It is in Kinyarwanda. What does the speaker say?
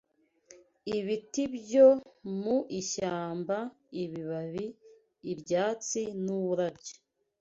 ibiti byo mu ishyamba, ibibabi, ibyatsi n’uburabyo